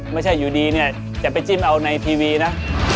ไม่ใช่อยู่ดีเนี่ยจะไปจิ้มเอาในทีวีนะ